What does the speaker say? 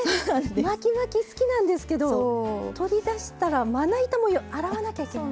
巻き巻き好きなんですけど取り出したらまな板も洗わなきゃいけない。